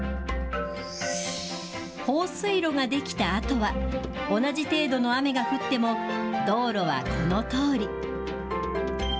放水路が出来たあとは、同じ程度の雨が降っても、道路はこのとおり。